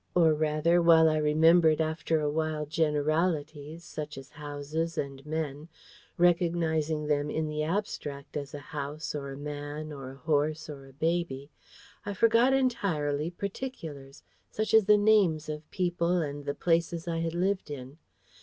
Or rather, while I remembered after a while generalities, such as houses and men, recognising them in the abstract as a house, or a man, or a horse, or a baby, I forgot entirely particulars, such as the names of people and the places I had lived in.